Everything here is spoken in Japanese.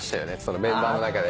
メンバーの中で。